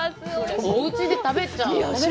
おうちで食べれちゃうの？